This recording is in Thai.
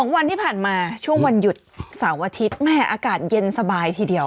วันที่ผ่านมาช่วงวันหยุดเสาร์อาทิตย์แม่อากาศเย็นสบายทีเดียว